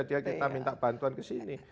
dia kita minta bantuan ke sini